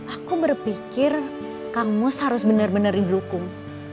aku berpikir kang mus harus benar benar didukung